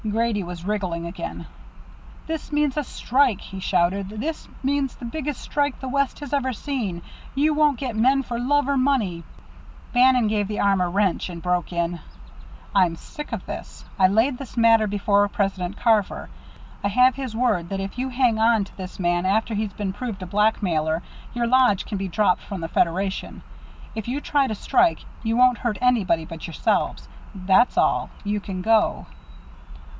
Grady was wriggling again. "This means a strike!" he shouted. "This means the biggest strike the West has ever seen! You won't get men for love or money " Bannon gave the arm a wrench, and broke in: "I'm sick of this. I laid this matter before President Carver. I have his word that if you hang on to this man after he's been proved a blackmailer, your lodge can be dropped from the Federation. If you try to strike, you won't hurt anybody but yourselves. That's all. You can go."